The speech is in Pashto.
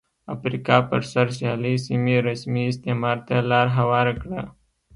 افریقا پر سر سیالۍ سیمې رسمي استعمار ته لار هواره کړه.